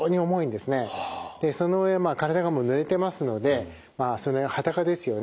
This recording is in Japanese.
でその上体がぬれてますのでその上裸ですよね